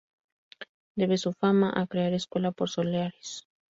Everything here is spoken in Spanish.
Debe su fama a crear escuela por soleares.